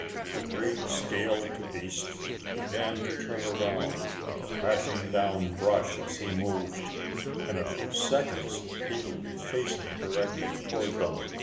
The great scaled beast began to turn around, crashing down brush as he moved. In a few seconds he would be facing directly toward them.